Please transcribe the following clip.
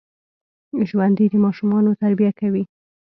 ژوندي د ماشومانو تربیه کوي